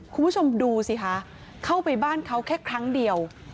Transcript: คุณผู้ชมดูสิคะเข้าไปบ้านเขาแค่ครั้งเดียว